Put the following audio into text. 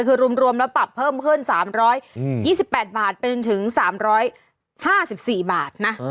คือรวมแล้วปรับเพิ่มขึ้น๓๒๘บาทไปจนถึง๓๕๔บาทนะ